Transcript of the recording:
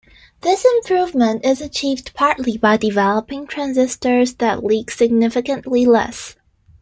This improvement is achieved partly by developing transistors that leak significantly less.